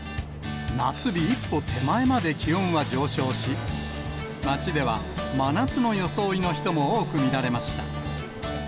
夏日一歩手前まで気温は上昇し、街では、真夏の装いの人も多く見られました。